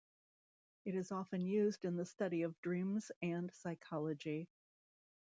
It is often used in the study of dreams and psychology.